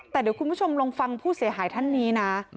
แต่เดี๋ยวคุณผู้ชมลองฟังผู้เสียหายท่านนี้นะ